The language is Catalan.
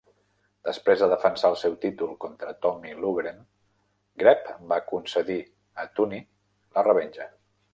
Després de defensar el seu títol contra Tommy Loughran, Greb va concedir a Tunney la revenja.